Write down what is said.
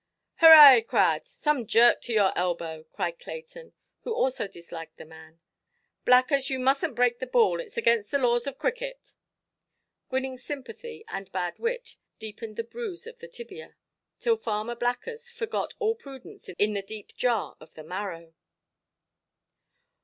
"Hurrah, Crad! more jerk to your elbow"! cried Clayton, who also disliked the man; "Blackers, you mustnʼt break the ball, itʼs against the laws of cricket". Grinning sympathy and bad wit deepened the bruise of the tibia, till Farmer Blackers forgot all prudence in the deep jar of the marrow.